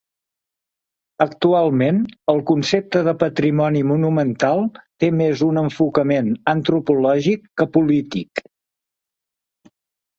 Actualment, el concepte de patrimoni monumental té més un enfocament antropològic que polític.